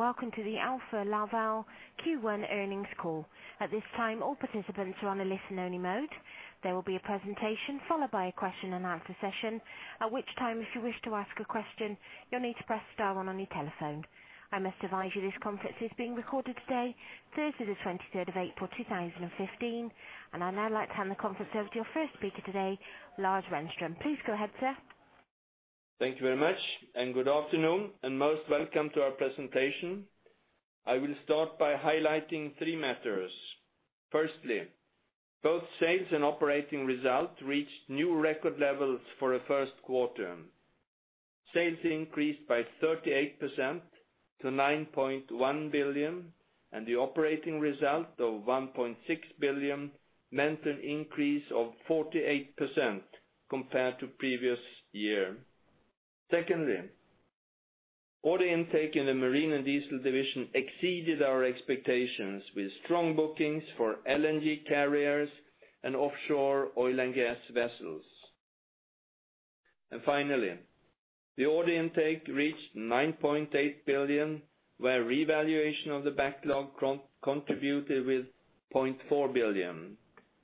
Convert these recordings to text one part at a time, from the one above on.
Welcome to the Alfa Laval Q1 earnings call. At this time, all participants are on a listen-only mode. There will be a presentation followed by a question-and-answer session, at which time if you wish to ask a question, you will need to press star one on your telephone. I must advise you this conference is being recorded today, Thursday the 23rd of April, 2015. I would now like to hand the conference over to your first speaker today, Lars Renström. Please go ahead, sir. Thank you very much, and good afternoon, and most welcome to our presentation. I will start by highlighting three matters. Firstly, both sales and operating results reached new record levels for a first quarter. Sales increased by 38% to 9.1 billion, and the operating result of 1.6 billion meant an increase of 48% compared to previous year. Secondly, order intake in the Marine & Diesel division exceeded our expectations, with strong bookings for LNG carriers and offshore oil and gas vessels. Finally, the order intake reached 9.8 billion, where revaluation of the backlog contributed with 0.4 billion.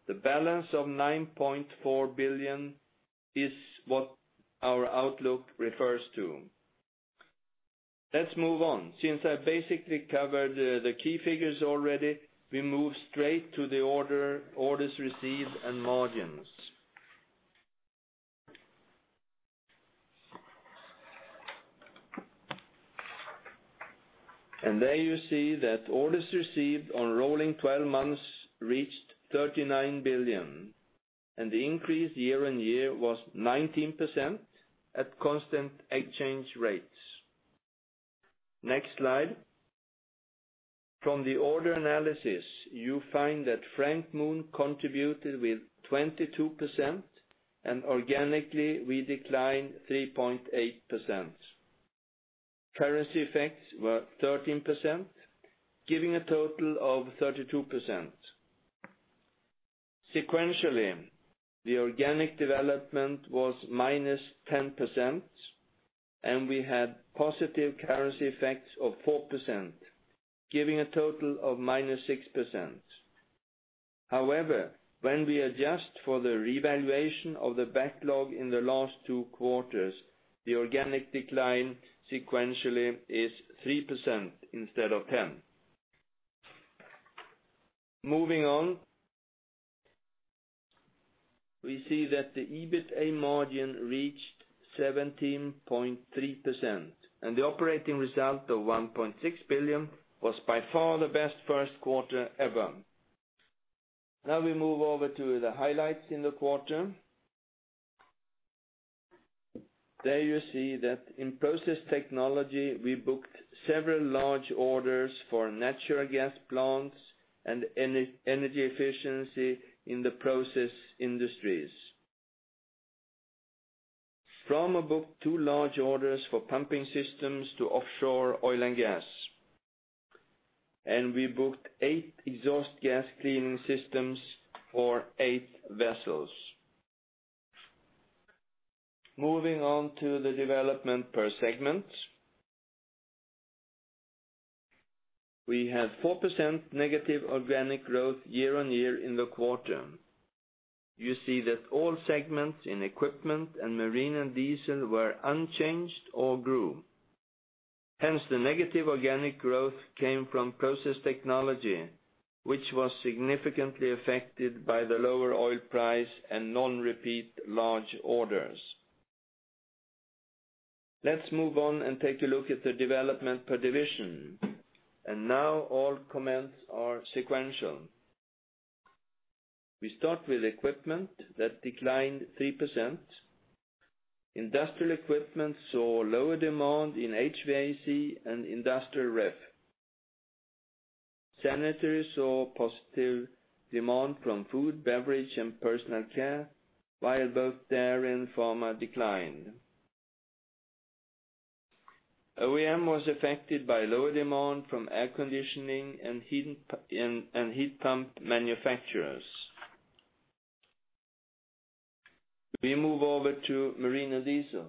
The balance of 9.4 billion is what our outlook refers to. Let's move on. Since I basically covered the key figures already, we move straight to the orders received and margins. There you see that orders received on rolling 12 months reached 39 billion, and the increase year-on-year was 19% at constant exchange rates. Next slide. From the order analysis, you find that Frank Mohn contributed with 22%, and organically, we declined 3.8%. Currency effects were 13%, giving a total of 32%. Sequentially, the organic development was -10%, and we had positive currency effects of 4%, giving a total of -6%. However, when we adjust for the revaluation of the backlog in the last two quarters, the organic decline sequentially is 3% instead of 10. Moving on, we see that the EBITA margin reached 17.3%, and the operating result of 1.6 billion was by far the best first quarter ever. Now we move over to the highlights in the quarter. There you see that in Process Technology, we booked several large orders for natural gas plants and energy efficiency in the process industries. Pharma booked two large orders for pumping systems to offshore oil and gas. We booked eight exhaust gas cleaning systems for eight vessels. Moving on to the development per segment. We had 4% negative organic growth year-on-year in the quarter. You see that all segments in equipment and Marine & Diesel were unchanged or grew. Hence, the negative organic growth came from Process Technology, which was significantly affected by the lower oil price and non-repeat large orders. Let's move on and take a look at the development per division. Now all comments are sequential. We start with equipment that declined 3%. Industrial Equipment saw lower demand in HVAC and Industrial Ref. Sanitary saw positive demand from food, beverage, and personal care, while both there and Pharma declined. OEM was affected by lower demand from air conditioning and heat pump manufacturers. We move over to Marine & Diesel.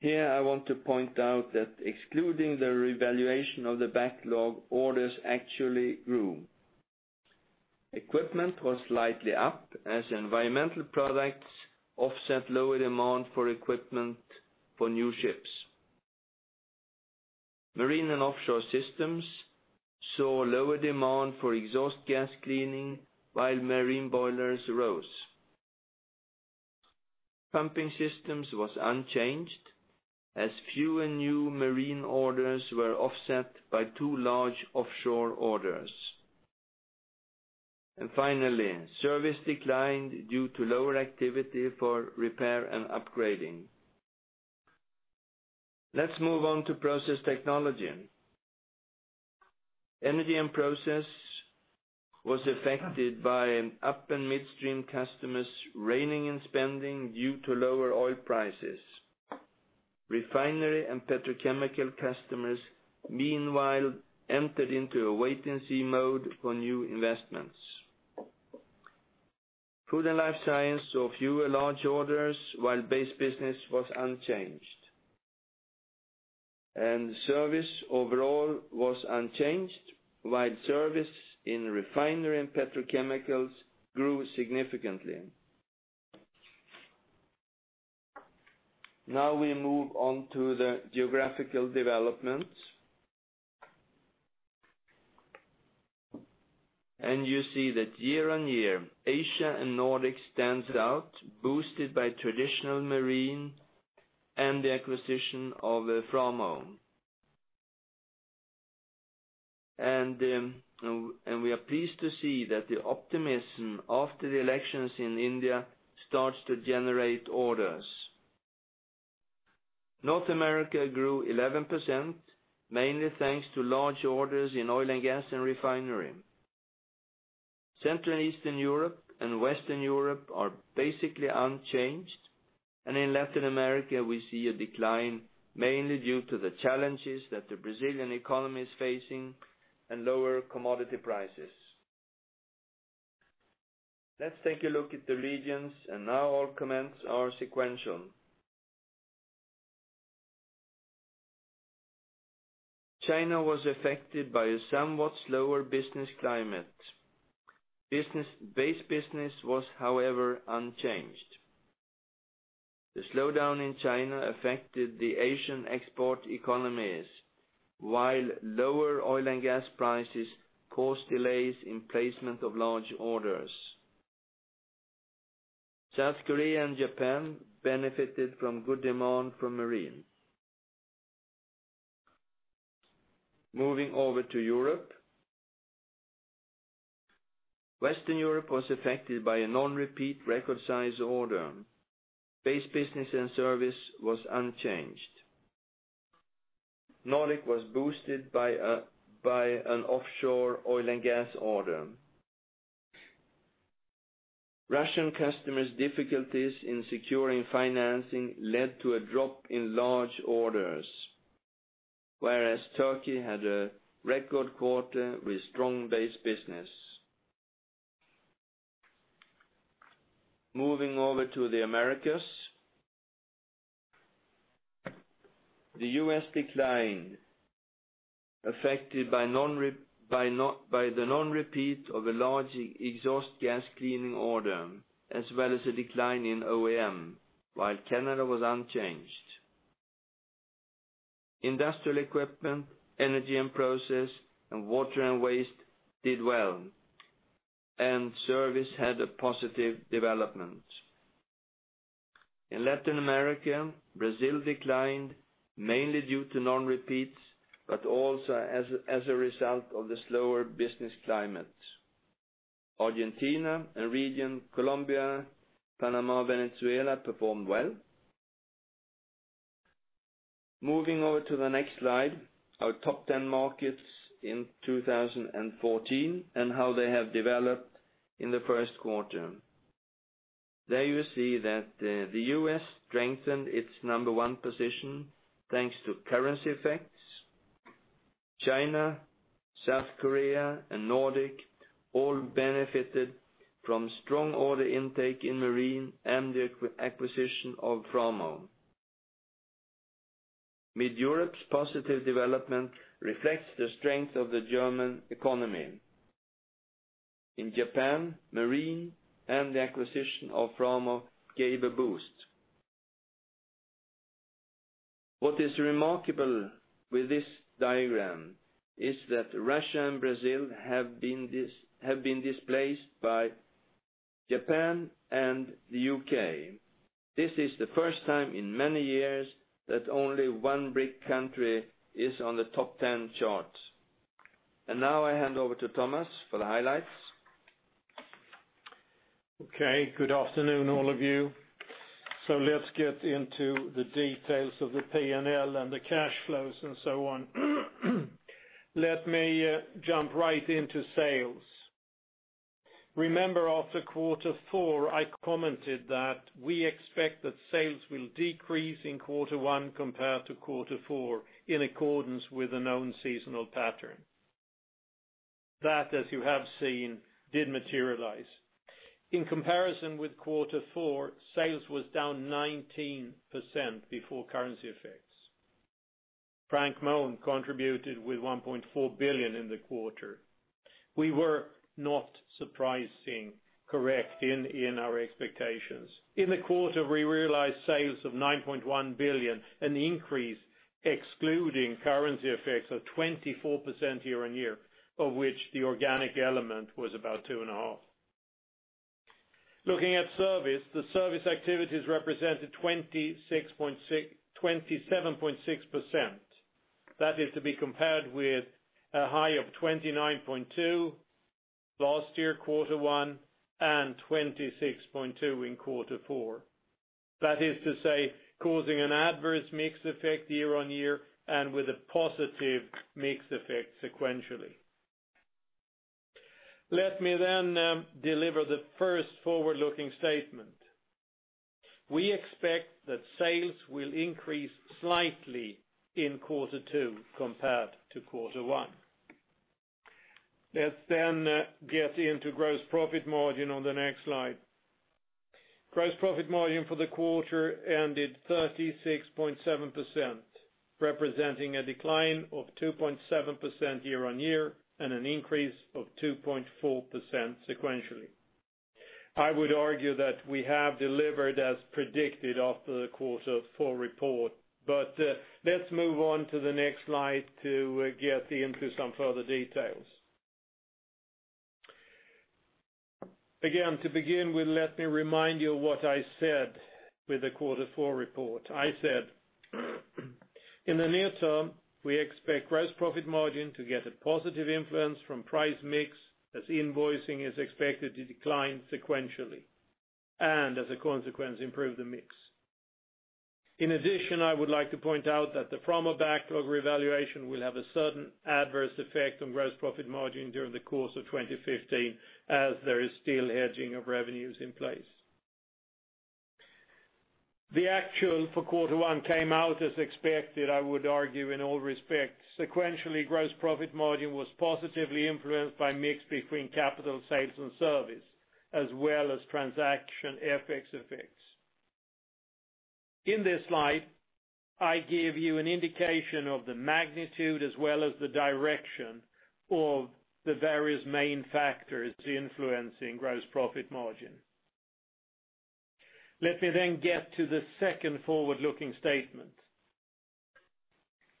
Here I want to point out that excluding the revaluation of the backlog, orders actually grew. Equipment was slightly up as environmental products offset lower demand for equipment for new ships. Marine & Offshore Systems saw lower demand for exhaust gas cleaning while marine boilers rose. Pumping Systems was unchanged as fewer new marine orders were offset by 2 large offshore orders. Service declined due to lower activity for repair and upgrading. Let's move on to Process Technology. Energy & Process was affected by up- and midstream customers reining in spending due to lower oil prices. Refinery and petrochemical customers, meanwhile, entered into a wait-and-see mode for new investments. Food and life science saw fewer large orders, while base business was unchanged. Service overall was unchanged, while service in refinery and petrochemicals grew significantly. We move on to the geographical developments. You see that year-on-year, Asia and Nordic stands out, boosted by traditional marine and the acquisition of Framo. We are pleased to see that the optimism after the elections in India starts to generate orders. North America grew 11%, mainly thanks to large orders in oil and gas and refinery. Central and Eastern Europe and Western Europe are basically unchanged. In Latin America, we see a decline, mainly due to the challenges that the Brazilian economy is facing and lower commodity prices. Let's take a look at the regions and now all comments are sequential. China was affected by a somewhat slower business climate. Base business was, however, unchanged. The slowdown in China affected the Asian export economies, while lower oil and gas prices caused delays in placement of large orders. South Korea and Japan benefited from good demand from marine. Moving over to Europe. Western Europe was affected by a non-repeat record size order. Base business and service was unchanged. Nordic was boosted by an offshore oil and gas order. Russian customers' difficulties in securing financing led to a drop in large orders, whereas Turkey had a record quarter with strong base business. Moving over to the Americas. The U.S. declined, affected by the non-repeat of a large exhaust gas cleaning order, as well as a decline in OEM, while Canada was unchanged. Industrial Equipment, Energy & Process, and water and waste did well, and service had a positive development. In Latin America, Brazil declined, mainly due to non-repeats, but also as a result of the slower business climate. Argentina and region Colombia, Panama, Venezuela performed well. Moving over to the next slide, our top 10 markets in 2014 and how they have developed in the first quarter. There you see that the U.S. strengthened its number one position thanks to currency effects. China, South Korea, and Nordic all benefited from strong order intake in marine and the acquisition of Framo. Mid-Europe's positive development reflects the strength of the German economy. In Japan, marine and the acquisition of Framo gave a boost. What is remarkable with this diagram is that Russia and Brazil have been displaced by Japan and the U.K. This is the first time in many years that only one BRIC country is on the top 10 chart. Now I hand over to Thomas for the highlights. Good afternoon, all of you. Let's get into the details of the P&L and the cash flows and so on. Let me jump right into sales. Remember after quarter four, I commented that we expect that sales will decrease in quarter one compared to quarter four, in accordance with a known seasonal pattern. That, as you have seen, did materialize. In comparison with quarter four, sales was down 19% before currency effects. Frank Mohn contributed with 1.4 billion in the quarter. We were not surprising, correct in our expectations. In the quarter, we realized sales of 9.1 billion, an increase excluding currency effects of 24% year-on-year, of which the organic element was about two and a half. Looking at service, the service activities represented 27.6%. That is to be compared with a high of 29.2 last year, quarter one, and 26.2 in quarter four. That is to say, causing an adverse mix effect year-on-year and with a positive mix effect sequentially. Let me then deliver the first forward-looking statement. We expect that sales will increase slightly in quarter two compared to quarter one. Let's then get into gross profit margin on the next slide. Gross profit margin for the quarter ended 36.7%, representing a decline of 2.7% year-on-year and an increase of 2.4% sequentially. I would argue that we have delivered as predicted after the quarter four report, but let's move on to the next slide to get into some further details. Again, to begin with, let me remind you of what I said with the quarter four report. I said, "In the near term, we expect gross profit margin to get a positive influence from price mix as invoicing is expected to decline sequentially, and as a consequence, improve the mix. In addition, I would like to point out that the Framo backlog revaluation will have a certain adverse effect on gross profit margin during the course of 2015, as there is still hedging of revenues in place." The actual for quarter one came out as expected, I would argue, in all respects. Sequentially, gross profit margin was positively influenced by mix between capital sales and service, as well as transaction FX effects. In this slide, I give you an indication of the magnitude as well as the direction of the various main factors influencing gross profit margin. Let me then get to the second forward-looking statement.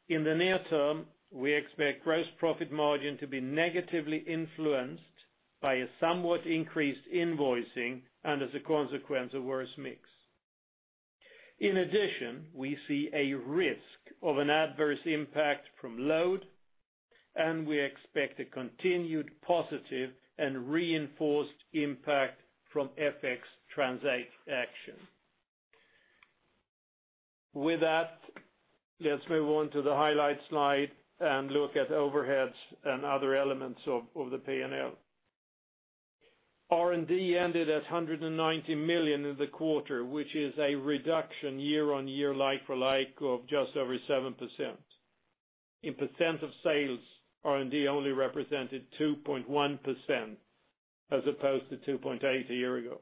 In the near term, we expect gross profit margin to be negatively influenced by a somewhat increased invoicing, and as a consequence, a worse mix. In addition, we see a risk of an adverse impact from load, and we expect a continued positive and reinforced impact from FX transaction. With that, let's move on to the highlight slide and look at overheads and other elements of the P&L. R&D ended at 190 million in the quarter, which is a reduction year-on-year like-for-like of just over 7%. In percent of sales, R&D only represented 2.1% as opposed to 2.8% a year ago.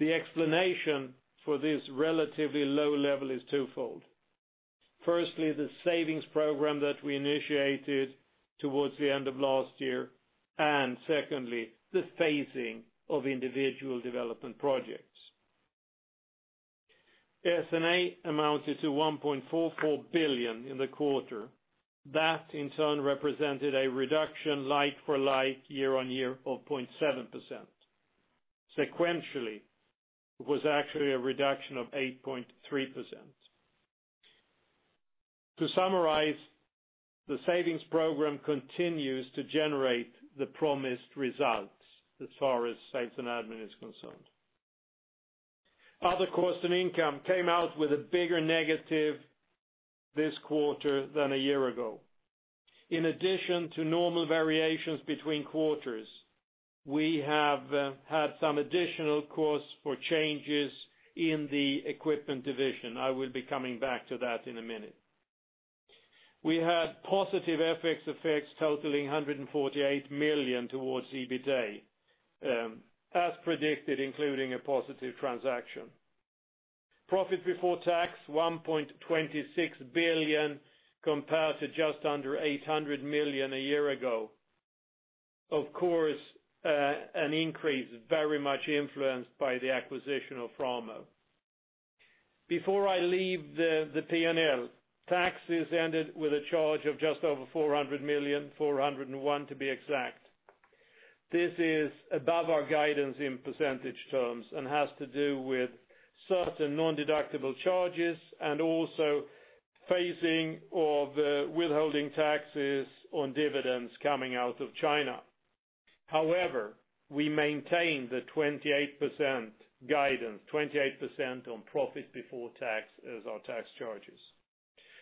The explanation for this relatively low level is twofold. Firstly, the savings program that we initiated towards the end of last year, and secondly, the phasing of individual development projects. S&A amounted to 1.44 billion in the quarter. That in turn represented a reduction like-for-like year-on-year of 0.7%. Sequentially, it was actually a reduction of 8.3%. To summarize, the savings program continues to generate the promised results as far as sales and admin is concerned. Other costs and income came out with a bigger negative this quarter than a year ago. In addition to normal variations between quarters, we have had some additional costs for changes in the equipment division. I will be coming back to that in a minute. We had positive FX effects totaling 148 million towards EBITA, as predicted, including a positive transaction. Profit before tax, 1.26 billion, compared to just under 800 million a year ago. Of course, an increase very much influenced by the acquisition of Framo. Before I leave the P&L, taxes ended with a charge of just over 400 million, 401 to be exact. This is above our guidance in percentage terms and has to do with certain non-deductible charges and also phasing of the withholding taxes on dividends coming out of China. However, we maintain the 28% guidance, 28% on profit before tax as our tax charges.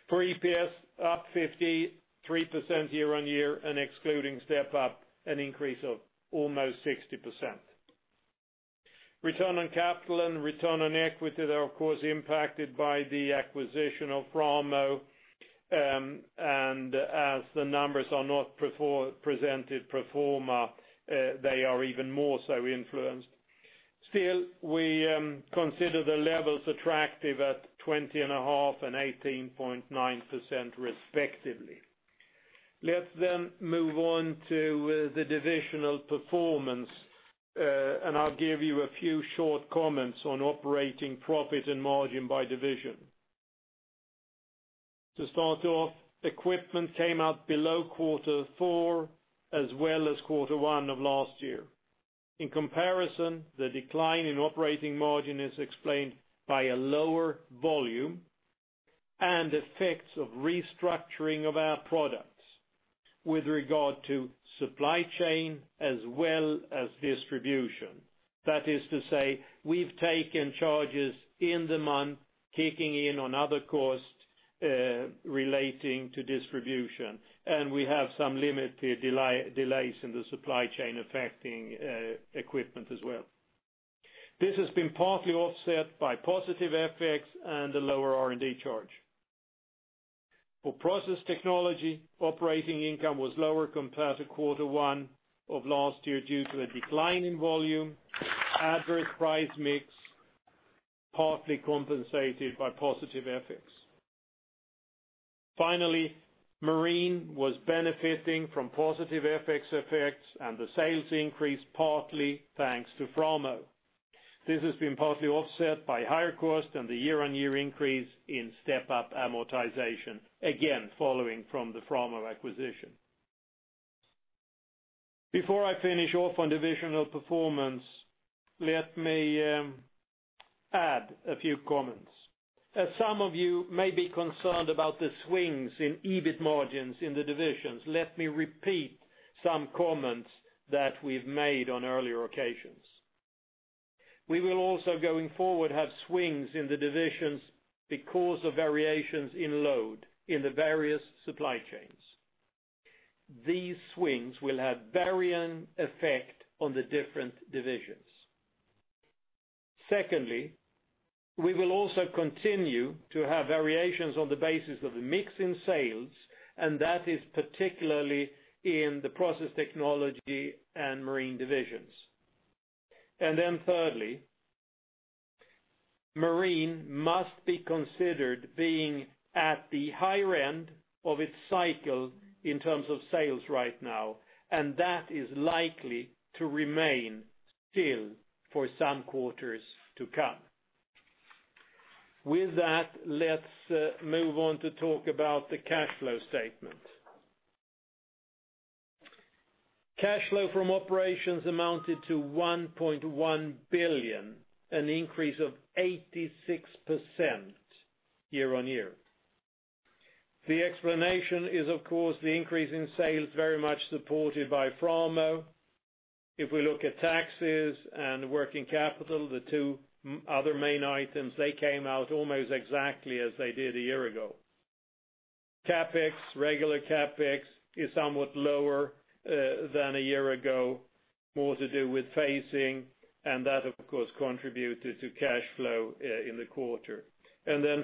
For EPS, up 53% year-on-year, and excluding step-up, an increase of almost 60%. Return on capital and return on equity are, of course, impacted by the acquisition of Framo, and as the numbers are not presented pro forma, they are even more so influenced. Still, we consider the levels attractive at 20.5% and 18.9% respectively. Let's then move on to the divisional performance, and I'll give you a few short comments on operating profit and margin by division. To start off, equipment came out below quarter four as well as quarter one of last year. In comparison, the decline in operating margin is explained by a lower volume and effects of restructuring of our products with regard to supply chain as well as distribution. That is to say, we've taken charges in the month, kicking in on other costs relating to distribution. We have some limited delays in the supply chain affecting equipment as well. This has been partly offset by positive FX and a lower R&D charge. For Process Technology, operating income was lower compared to quarter one of last year due to a decline in volume, adverse price mix, partly compensated by positive FX. Finally, Marine was benefiting from positive FX effects and the sales increase, partly thanks to Framo. This has been partly offset by higher cost and the year-on-year increase in step-up amortization, again, following from the Framo acquisition. Before I finish off on divisional performance, let me add a few comments. As some of you may be concerned about the swings in EBIT margins in the divisions, let me repeat some comments that we've made on earlier occasions. We will also, going forward, have swings in the divisions because of variations in load in the various supply chains. These swings will have varying effect on the different divisions. Secondly, we will also continue to have variations on the basis of the mix in sales, and that is particularly in the Process Technology and Marine divisions. Thirdly, Marine must be considered being at the higher end of its cycle in terms of sales right now, and that is likely to remain still for some quarters to come. With that, let's move on to talk about the cash flow statement. Cash flow from operations amounted to 1.1 billion, an increase of 86% year-on-year. The explanation is, of course, the increase in sales, very much supported by Framo. If we look at taxes and working capital, the two other main items, they came out almost exactly as they did a year ago. CapEx, regular CapEx, is somewhat lower than a year ago, more to do with phasing, and that, of course, contributed to cash flow in the quarter.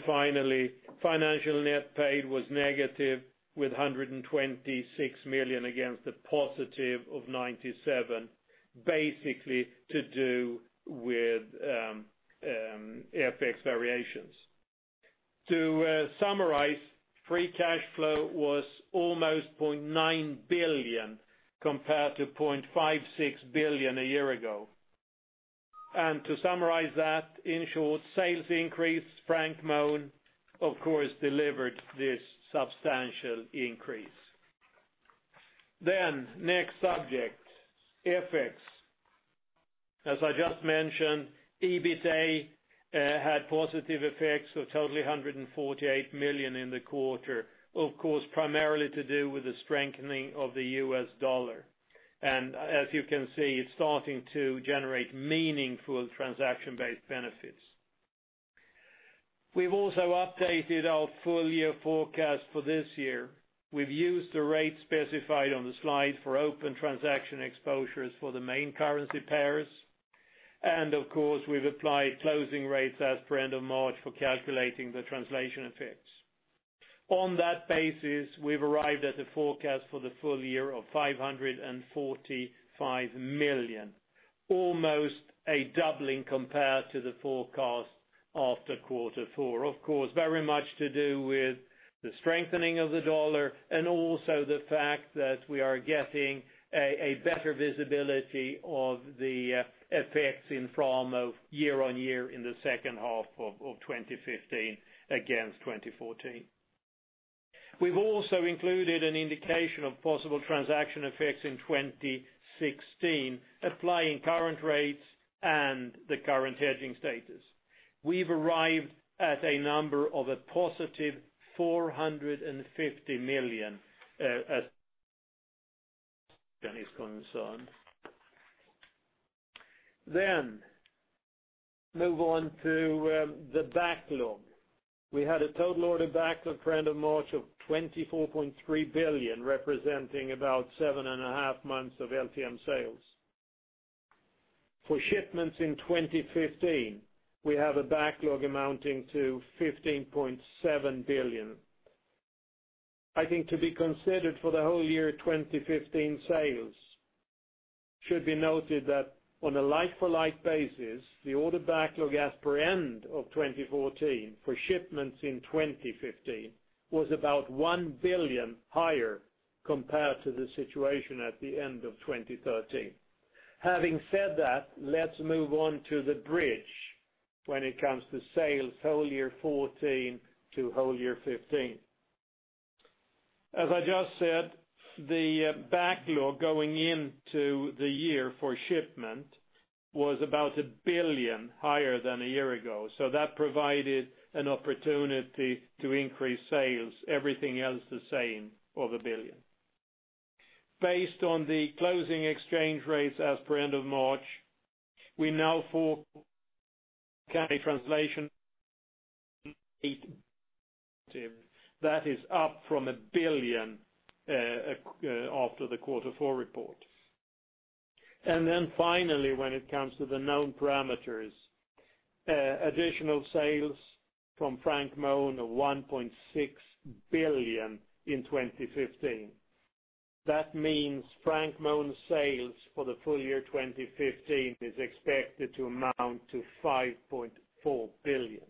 Finally, financial net paid was negative with 126 million against a positive of 97 million, basically to do with FX variations. To summarize, free cash flow was almost 0.9 billion compared to 0.56 billion a year ago. To summarize that, in short, sales increase, Framo, of course, delivered this substantial increase. Next subject, FX. As I just mentioned, EBITA had positive effects of totally 148 million in the quarter, of course, primarily to do with the strengthening of the US dollar. As you can see, it's starting to generate meaningful transaction-based benefits. We've also updated our full-year forecast for this year. We've used the rate specified on the slide for open transaction exposures for the main currency pairs. Of course, we've applied closing rates as per end of March for calculating the translation effects. On that basis, we've arrived at a forecast for the full year of 545 million, almost a doubling compared to the forecast after Quarter 4. Of course, very much to do with the strengthening of the dollar and also the fact that we are getting a better visibility of the effects in Framo year-on-year in the second half of 2015 against 2014. We've also included an indication of possible transaction effects in 2016, applying current rates and the current hedging status. We've arrived at a number of a positive 450 million as is concerned. Move on to the backlog. We had a total order backlog for end of March of 24.3 billion, representing about seven and a half months of LTM sales. For shipments in 2015, we have a backlog amounting to 15.7 billion. I think to be considered for the whole year 2015 sales should be noted that on a like-for-like basis, the order backlog as per end of 2014 for shipments in 2015 was about 1 billion higher compared to the situation at the end of 2013. Having said that, let's move on to the bridge when it comes to sales whole year 2014 to whole year 2015. As I just said, the backlog going into the year for shipment was about 1 billion higher than a year ago, so that provided an opportunity to increase sales, everything else the same, of 1 billion. Based on the closing exchange rates as per end of March, we now forecast translation that is up from 1 billion after the Quarter 4 report. Finally, when it comes to the known parameters, additional sales from Frank Mohn of 1.6 billion in 2015. That means Frank Mohn sales for the full year 2015 is expected to amount to 5.4 billion.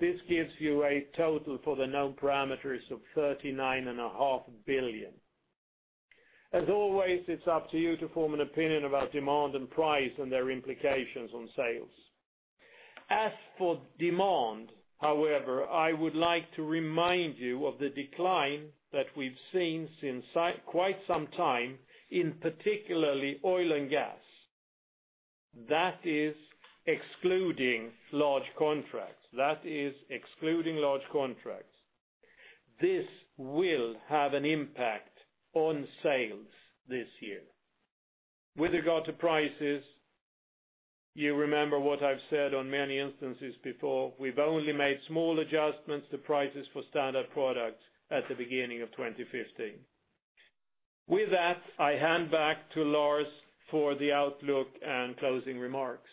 This gives you a total for the known parameters of 39.5 billion. As always, it's up to you to form an opinion about demand and price and their implications on sales. As for demand, however, I would like to remind you of the decline that we've seen since quite some time, in particular oil and gas. That is excluding large contracts. This will have an impact on sales this year. With regard to prices, you remember what I've said on many instances before. We've only made small adjustments to prices for standard products at the beginning of 2015. With that, I hand back to Lars for the outlook and closing remarks.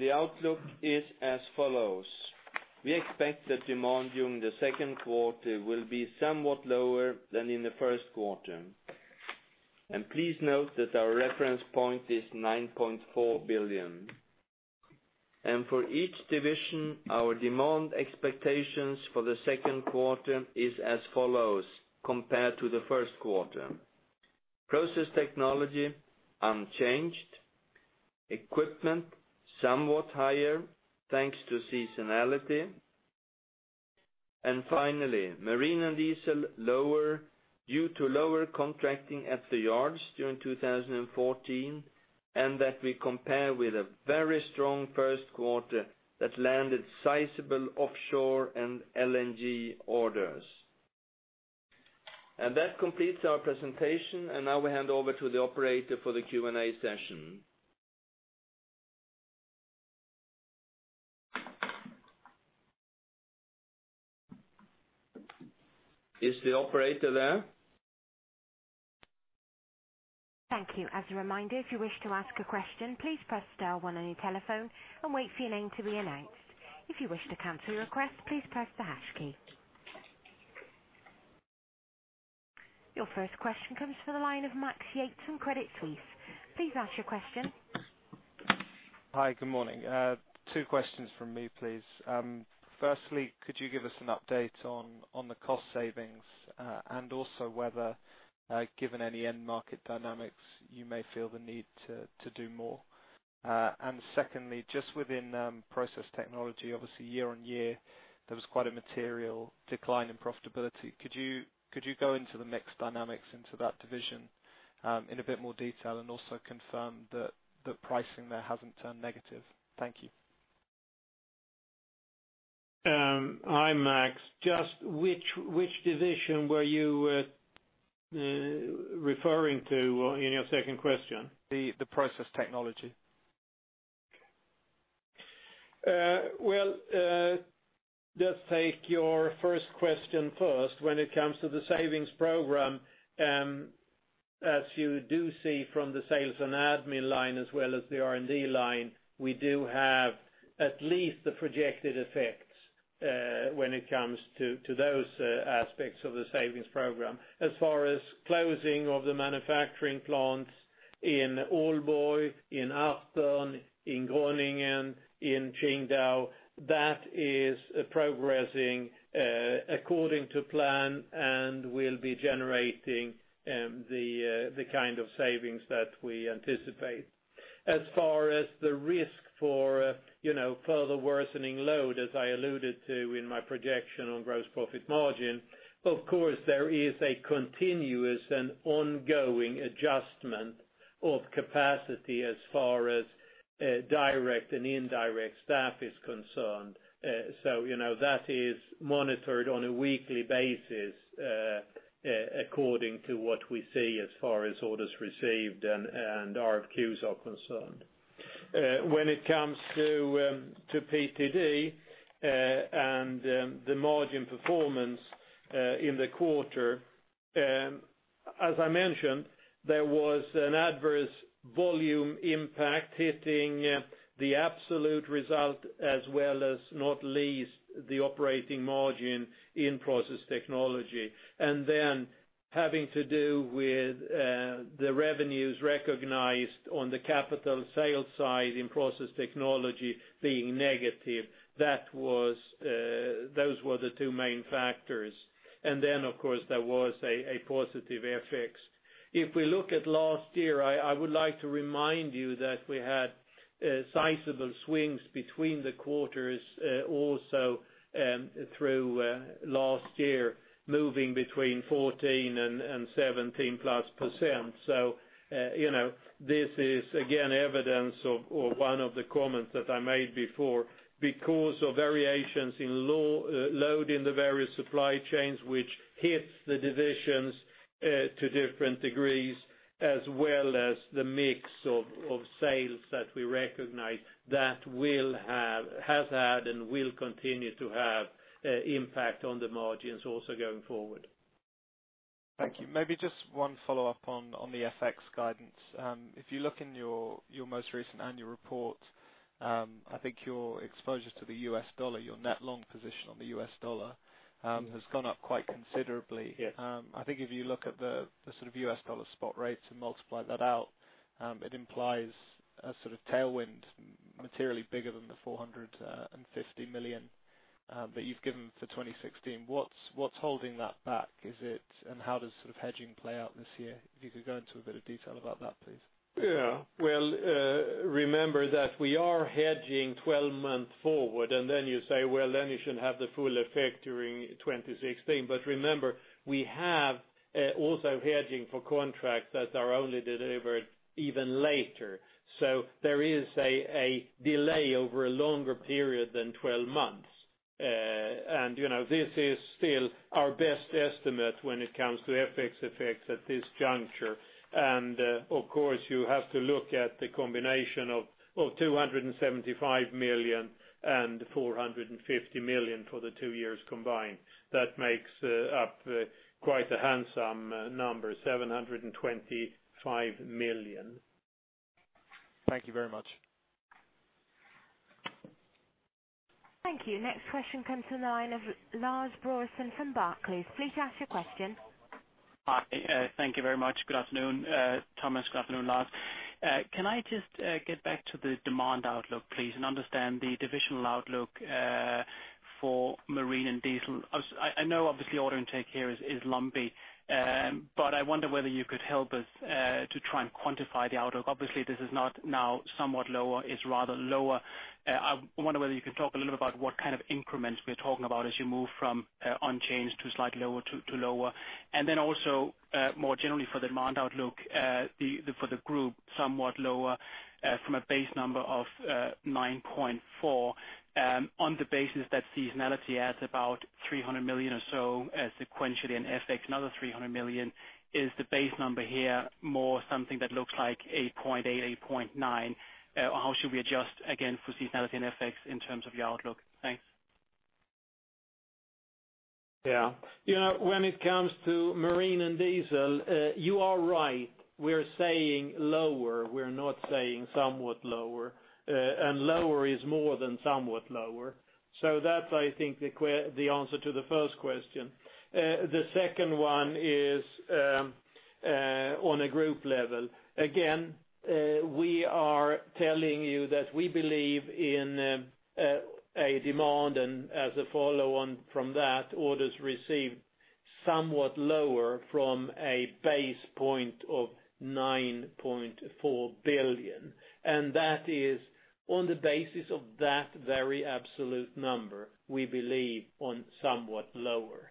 The outlook is as follows. We expect that demand during the second quarter will be somewhat lower than in the first quarter. Please note that our reference point is 9.4 billion. For each division, our demand expectations for the second quarter is as follows compared to the first quarter. Process Technology, unchanged. Equipment, somewhat higher, thanks to seasonality. Finally, Marine & Diesel, lower due to lower contracting at the yards during 2014, and that we compare with a very strong first quarter that landed sizable offshore and LNG orders. That completes our presentation. Now we hand over to the operator for the Q&A session. Is the operator there? Thank you. As a reminder, if you wish to ask a question, please press star one on your telephone and wait for your name to be announced. If you wish to cancel your request, please press the hash key. Your first question comes from the line of Max Yates from Credit Suisse. Please ask your question. Hi, good morning. Two questions from me, please. Firstly, could you give us an update on the cost savings? Also whether, given any end market dynamics, you may feel the need to do more. Secondly, just within Process Technology, obviously year-over-year, there was quite a material decline in profitability. Could you go into the mix dynamics into that division in a bit more detail and also confirm that the pricing there hasn't turned negative? Thank you. Hi, Max. Just which division were you referring to in your second question? The Process Technology. Well, let's take your first question first. When it comes to the savings program, as you do see from the Sales and Admin line as well as the R&D line, we do have at least the projected effects when it comes to those aspects of the savings program. As far as closing of the manufacturing plants in Aalborg, in Asten, in Groningen, in Qingdao, that is progressing according to plan and will be generating the kind of savings that we anticipate. As far as the risk for further worsening load, as I alluded to in my projection on gross profit margin, of course, there is a continuous and ongoing adjustment of capacity as far as direct and indirect staff is concerned. That is monitored on a weekly basis according to what we see as far as orders received and RFQs are concerned. When it comes to PTD and the margin performance in the quarter, as I mentioned, there was an adverse volume impact hitting the absolute result as well as not least the operating margin in Process Technology. Having to do with the revenues recognized on the capital sales side in Process Technology being negative, those were the two main factors. Of course, there was a positive FX. If we look at last year, I would like to remind you that we had sizable swings between the quarters also through last year, moving between 14% and 17-plus %. This is, again, evidence of one of the comments that I made before. Because of variations in load in the various supply chains, which hits the divisions to different degrees, as well as the mix of sales that we recognize, that has had and will continue to have impact on the margins also going forward. Thank you. Maybe just one follow-up on the FX guidance. If you look in your most recent annual report, I think your exposure to the US dollar, your net long position on the US dollar, has gone up quite considerably. Yes. I think if you look at the sort of US dollar spot rates and multiply that out, it implies a sort of tailwind materially bigger than the 450 million that you've given for 2016. What's holding that back? How does hedging play out this year? If you could go into a bit of detail about that, please. Well, remember that we are hedging 12 months forward, then you say, "Well, you should have the full effect during 2016." Remember, we have also hedging for contracts that are only delivered even later. There is a delay over a longer period than 12 months. This is still our best estimate when it comes to FX effects at this juncture. Of course, you have to look at the combination of 275 million and 450 million for the two years combined. That makes up quite a handsome number, 725 million. Thank you very much. Thank you. Next question comes to the line of Lars Brorsson from Barclays. Please ask your question. Hi. Thank you very much. Good afternoon, Thomas. Good afternoon, Lars. Can I just get back to the demand outlook, please, and understand the divisional outlook for Marine & Diesel? I know obviously order intake here is lumpy. I wonder whether you could help us to try and quantify the outlook. Obviously, this is not now somewhat lower, it's rather lower. I wonder whether you can talk a little about what kind of increments we're talking about as you move from unchanged to slightly lower to lower. Also, more generally for the demand outlook for the group, somewhat lower from a base number of 9.4 on the basis that seasonality adds about 300 million or so sequentially in FX, another 300 million. Is the base number here more something that looks like 8.8 or 8.9? How should we adjust again for seasonality and FX in terms of your outlook? Thanks. Yeah. When it comes to Marine & Diesel, you are right. We're saying lower. We're not saying somewhat lower, and lower is more than somewhat lower. That's, I think, the answer to the first question. The second one is on a group level. Again, we are telling you that we believe in a demand, and as a follow-on from that, orders received somewhat lower from a base point of 9.4 billion. That is on the basis of that very absolute number, we believe on somewhat lower.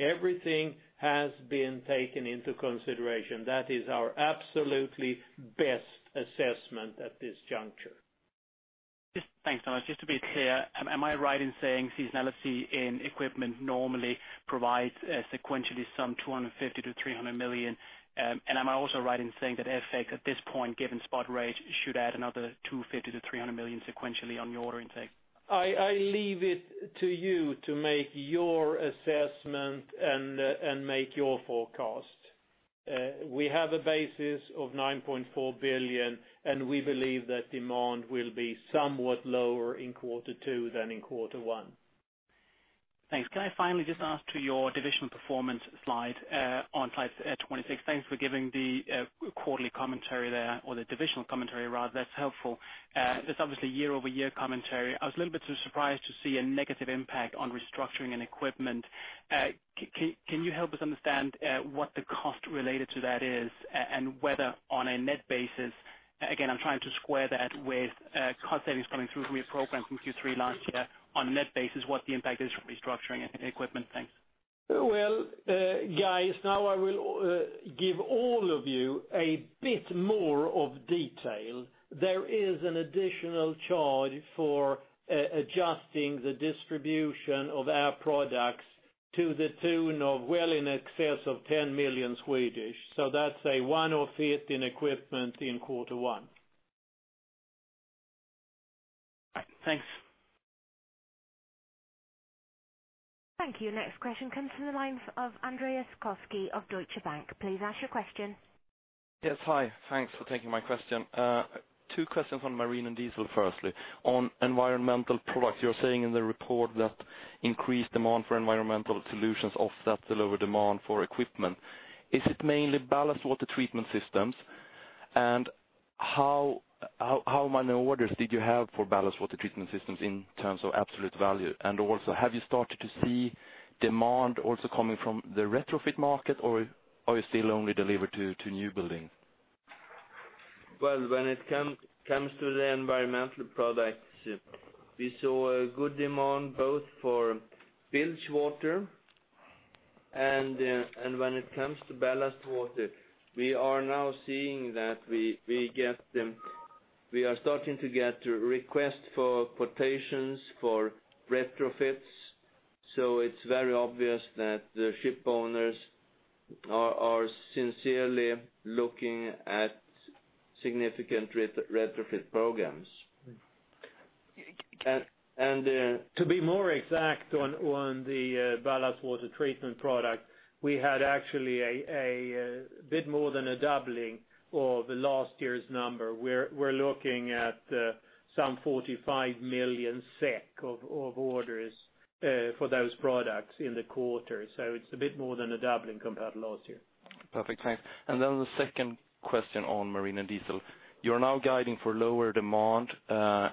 Everything has been taken into consideration. That is our absolutely best assessment at this juncture. Thanks, Thomas. Just to be clear, am I right in saying seasonality in equipment normally provides sequentially some 250 million to 300 million? Am I also right in saying that FX at this point, given spot rate, should add another 250 million to 300 million sequentially on your order intake? I leave it to you to make your assessment and make your forecast. We have a basis of 9.4 billion, we believe that demand will be somewhat lower in quarter two than in quarter one. Thanks. Can I finally just ask to your divisional performance slide on slide 26? Thanks for giving the quarterly commentary there, or the divisional commentary, rather. That's helpful. It's obviously year-over-year commentary. I was a little bit surprised to see a negative impact on restructuring and equipment. Can you help us understand what the cost related to that is and whether on a net basis-- Again, I'm trying to square that with cost savings coming through from your program from Q3 last year on a net basis, what the impact is from restructuring and equipment? Thanks. Well, guys, now I will give all of you a bit more of detail. There is an additional charge for adjusting the distribution of our products to the tune of well in excess of 10 million. That's a one-off hit in equipment in quarter one. Right. Thanks. Thank you. Next question comes from the line of Andreas Koski of Deutsche Bank. Please ask your question. Yes, hi. Thanks for taking my question. Two questions on Marine & Diesel, firstly. On environmental products, you're saying in the report that increased demand for environmental solutions offset the lower demand for equipment. Is it mainly ballast water treatment systems? How many orders did you have for ballast water treatment systems in terms of absolute value? Have you started to see demand also coming from the retrofit market, or you still only deliver to new building? Well, when it comes to the environmental products, we saw a good demand both for bilge water and when it comes to ballast water, we are now seeing that we are starting to get requests for quotations for retrofits. It's very obvious that the ship owners are sincerely looking at significant retrofit programs. To be more exact on the ballast water treatment product, we had actually a bit more than a doubling of last year's number. We're looking at some 45 million SEK of orders for those products in the quarter. It's a bit more than a doubling compared to last year. Perfect. Thanks. The second question on Marine & Diesel. You're now guiding for lower demand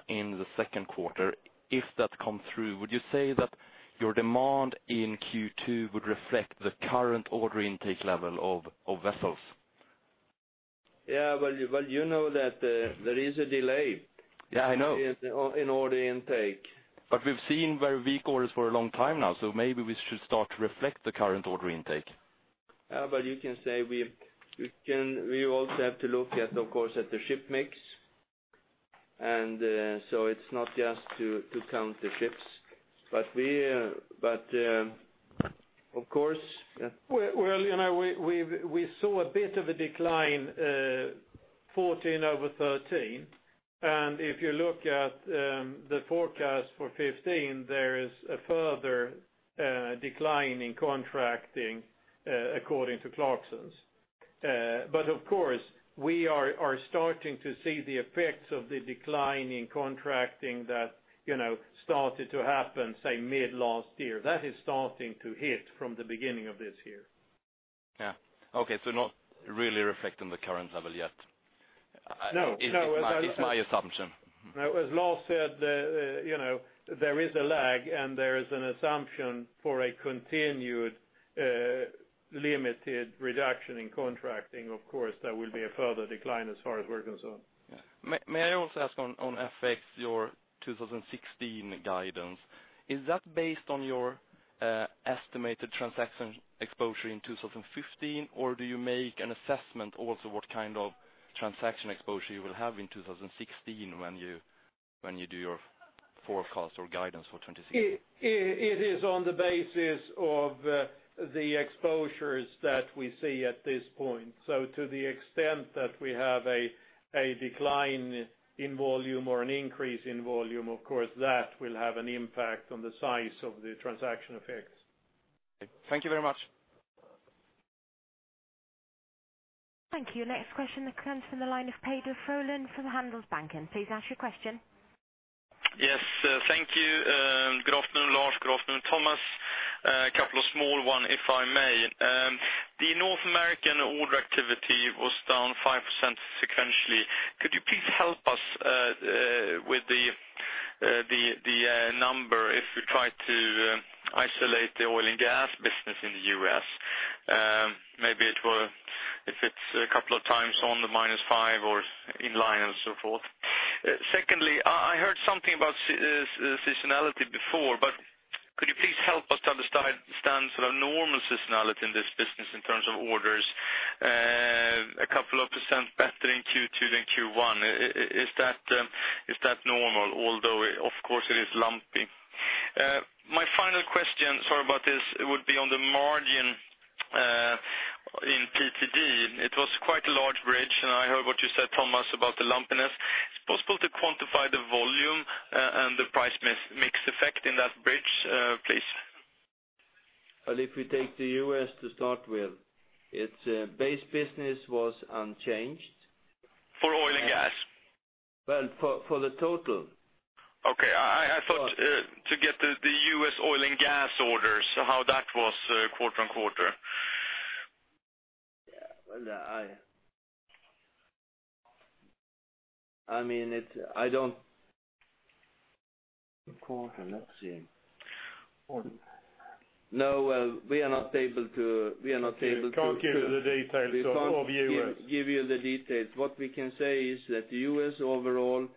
in the second quarter. If that comes through, would you say that your demand in Q2 would reflect the current order intake level of vessels? Yeah, well, you know that there is a delay- Yeah, I know in order intake. We've seen very weak orders for a long time now, so maybe we should start to reflect the current order intake. Yeah, you can say we also have to look at, of course, at the ship mix. It's not just to count the ships, but of course. Well, we saw a bit of a decline, 2014 over 2013. If you look at the forecast for 2015, there is a further decline in contracting, according to Clarksons. Of course, we are starting to see the effects of the decline in contracting that started to happen, say mid last year. That is starting to hit from the beginning of this year. Yeah. Okay, not really reflecting the current level yet. No. It's my assumption. No, as Lars said, there is a lag, and there is an assumption for a continued limited reduction in contracting. Of course, there will be a further decline as far as we're concerned. Yeah. May I also ask on FX, your 2016 guidance? Is that based on your estimated transaction exposure in 2015, or do you make an assessment also what kind of transaction exposure you will have in 2016 when you do your forecast or guidance for 2016? It is on the basis of the exposures that we see at this point. To the extent that we have a decline in volume or an increase in volume, of course that will have an impact on the size of the transaction effects. Thank you very much. Thank you. Next question comes from the line of Peder Frölén from Handelsbanken. Please ask your question For oil and gas? Well, for the total. Okay. I thought to get the U.S. oil and gas orders, how that was quarter-on-quarter. Yeah. Well, I mean, A quarter, let's see. No, we are not able. We can't give the details of U.S. We can't give you the details. What we can say is that U.S. overall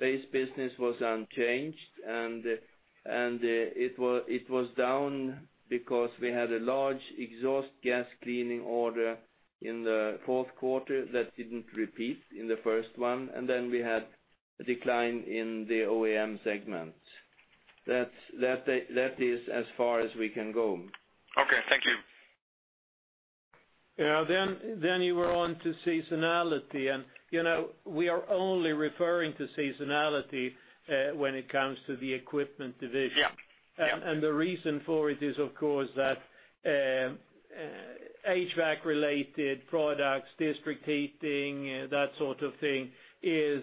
base business was unchanged, and it was down because we had a large Exhaust Gas Cleaning order in the fourth quarter that didn't repeat in the first one, and then we had a decline in the OEM segment. That is as far as we can go. Okay. Thank you. Yeah. You were on to seasonality, and we are only referring to seasonality when it comes to the equipment division. Yeah. The reason for it is, of course, that HVAC-related products, district heating, that sort of thing, is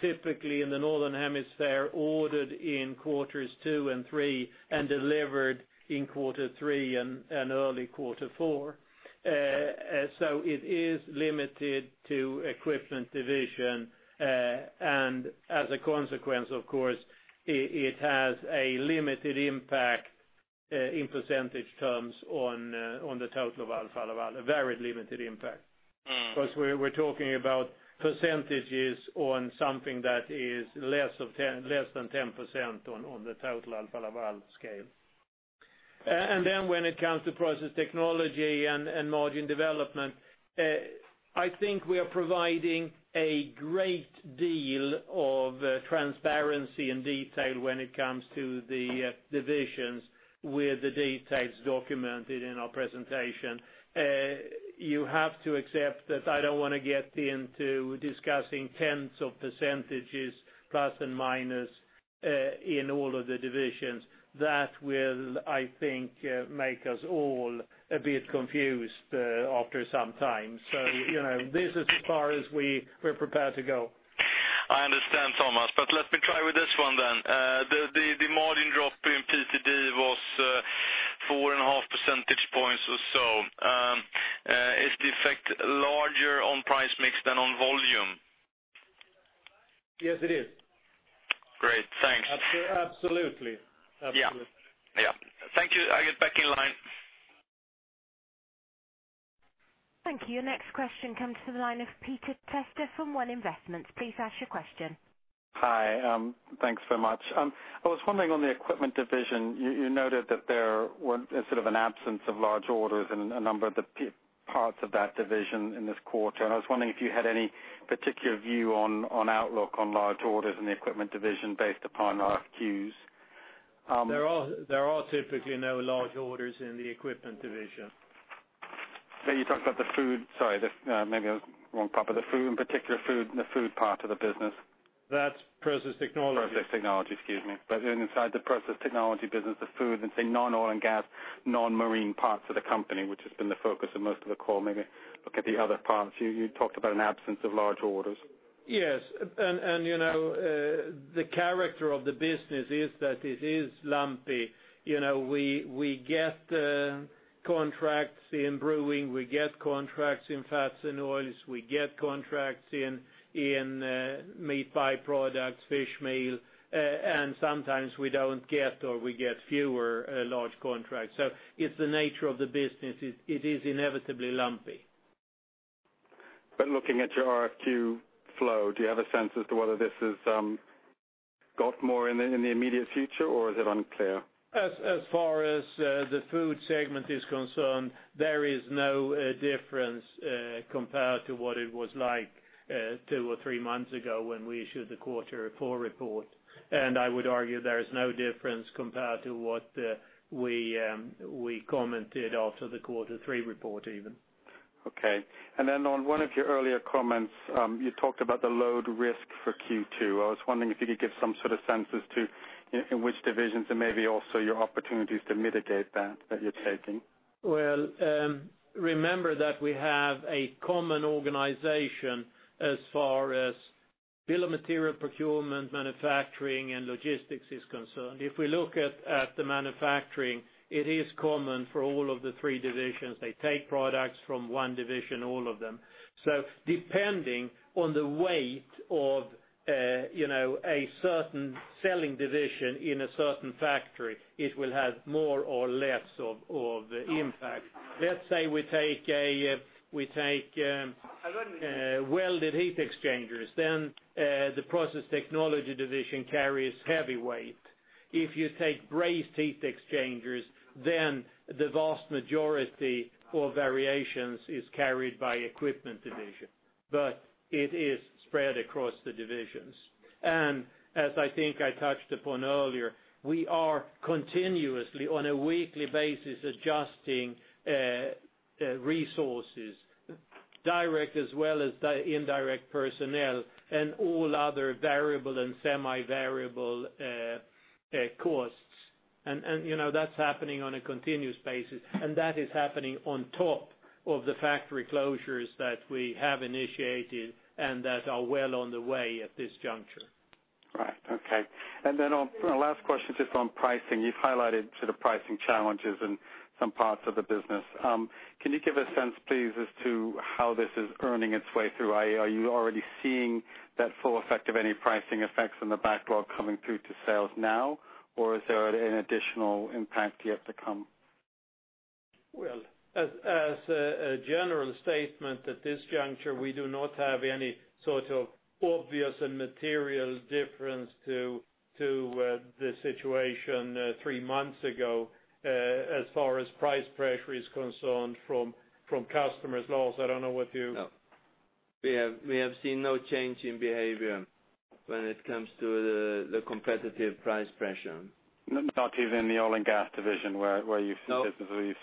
typically in the northern hemisphere, ordered in quarters 2 and 3 and delivered in quarter 3 and early quarter 4. It is limited to equipment division. As a consequence, of course, it has a limited impact in percentage terms on the total of Alfa Laval, a very limited impact. We're talking about percentages on something that is less than 10% on the total Alfa Laval scale. When it comes to Process Technology and margin development, I think we are providing a great deal of transparency and detail when it comes to the divisions with the details documented in our presentation. You have to accept that I don't want to get into discussing tenths of percentages, plus and minus, in all of the divisions. That will, I think, make us all a bit confused after some time. This is as far as we're prepared to go. I understand, Thomas, let me try with this one then. The margin drop in PTD was 4.5 percentage points or so. Is the effect larger on price mix than on volume? Yes, it is. Great. Thanks. Absolutely. Yeah. Thank you. I get back in line. Thank you. Your next question comes to the line of [Peder Prah] from One Investments. Please ask your question. Hi. Thanks so much. I was wondering on the equipment division, you noted that there was an absence of large orders in a number of the parts of that division in this quarter. I was wondering if you had any particular view on outlook on large orders in the equipment division based upon RFQs. There are typically no large orders in the equipment division. You talked about the food-- Sorry, maybe I was wrong. The food in particular, the food part of the business. That's Process Technology. Process Technology, excuse me. Inside the Process Technology business, the food, let's say, non-oil and gas, non-marine parts of the company, which has been the focus of most of the call, maybe look at the other parts. You talked about an absence of large orders. Yes. The character of the business is that it is lumpy. We get contracts in brewing, we get contracts in fats and oils, we get contracts in meat byproducts, fish meal, and sometimes we don't get or we get fewer large contracts. It's the nature of the business. It is inevitably lumpy. Looking at your RFQ flow, do you have a sense as to whether this has got more in the immediate future, or is it unclear? As far as the food segment is concerned, there is no difference compared to what it was like two or three months ago when we issued the quarter four report. I would argue there is no difference compared to what we commented after the quarter three report even. Okay. On one of your earlier comments, you talked about the load risk for Q2. I was wondering if you could give some sort of sense as to in which divisions and maybe also your opportunities to mitigate that you're taking. Remember that we have a common organization as far as bill of material procurement, manufacturing, and logistics is concerned. If we look at the manufacturing, it is common for all of the three divisions. They take products from one division, all of them. Depending on the weight of a certain selling division in a certain factory, it will have more or less of impact. Let's say we take welded heat exchangers, then the Process Technology division carries heavy weight. If you take brazed heat exchangers, then the vast majority of variations is carried by equipment division. It is spread across the divisions. As I think I touched upon earlier, we are continuously, on a weekly basis, adjusting resources, direct as well as indirect personnel, and all other variable and semi-variable costs. That's happening on a continuous basis, and that is happening on top of the factory closures that we have initiated and that are well on the way at this juncture. Right. Okay. Then on a last question, just on pricing. You've highlighted the pricing challenges in some parts of the business. Can you give a sense, please, as to how this is earning its way through? Are you already seeing that full effect of any pricing effects in the backlog coming through to sales now? Or is there an additional impact yet to come? Well, as a general statement, at this juncture, we do not have any sort of obvious and material difference to the situation three months ago, as far as price pressure is concerned from customers. Lars, I don't know what you No. We have seen no change in behavior when it comes to the competitive price pressure. Not even in the oil and gas division where you've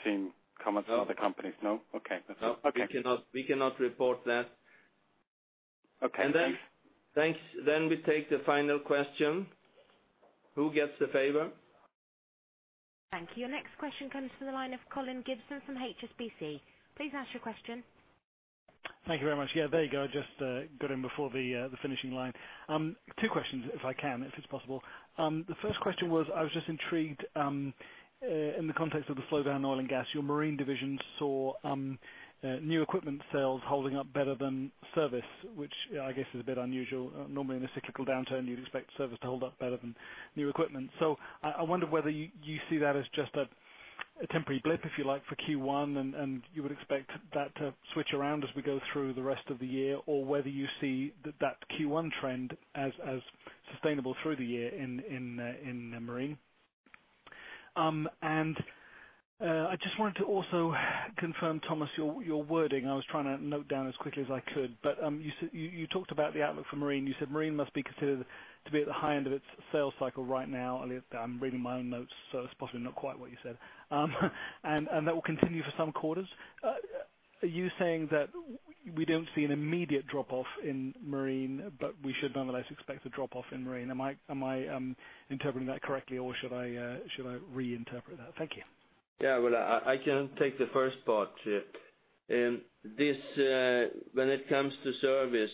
seen. No comments from other companies? No? Okay. That's it. No. Okay. We cannot report that. Okay. Thanks. We take the final question. Who gets the favor? Thank you. Your next question comes to the line of Colin Gibson from HSBC. Please ask your question. Thank you very much. Yeah, there you go. I just got in before the finishing line. Two questions, if I can, if it's possible. The first question was, I was just intrigued, in the context of the slowdown in oil and gas, your Marine division saw new equipment sales holding up better than service, which I guess is a bit unusual. Normally in a cyclical downturn, you'd expect service to hold up better than new equipment. I wonder whether you see that as just a temporary blip, if you like, for Q1, and you would expect that to switch around as we go through the rest of the year, or whether you see that Q1 trend as sustainable through the year in Marine. I just wanted to also confirm, Thomas, your wording. I was trying to note down as quickly as I could. You talked about the outlook for Marine. You said Marine must be considered to be at the high end of its sales cycle right now. I'm reading my own notes, so it's possibly not quite what you said. That will continue for some quarters. Are you saying that we don't see an immediate drop-off in Marine, we should nonetheless expect a drop-off in Marine? Am I interpreting that correctly, or should I reinterpret that? Thank you. Yeah. Well, I can take the first part. When it comes to service,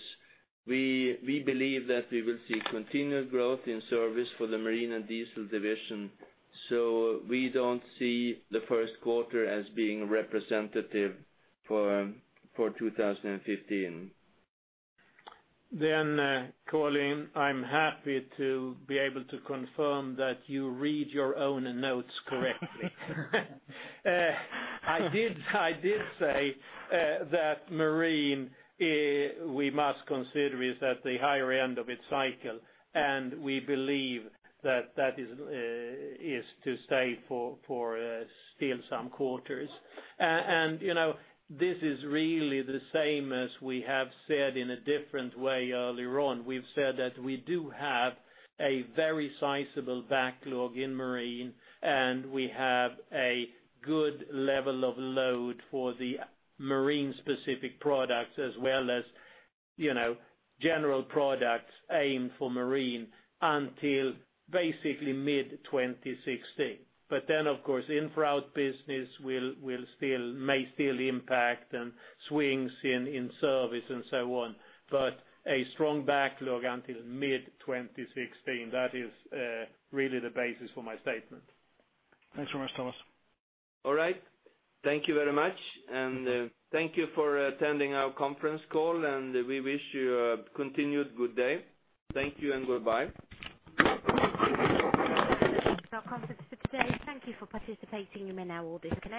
we believe that we will see continued growth in service for the Marine & Diesel division. We don't see the first quarter as being representative for 2015. Colin, I'm happy to be able to confirm that you read your own notes correctly. I did say that Marine, we must consider, is at the higher end of its cycle, and we believe that is to stay for still some quarters. This is really the same as we have said in a different way earlier on. We've said that we do have a very sizable backlog in Marine, and we have a good level of load for the Marine-specific products as well as general products aimed for Marine until basically mid-2016. Of course, in for out business may still impact on swings in service and so on. A strong backlog until mid-2016, that is really the basis for my statement. Thanks very much, Thomas. All right. Thank you very much. Thank you for attending our conference call, we wish you a continued good day. Thank you and goodbye. That's all for today. Thank you for participating in our call. Disconnect.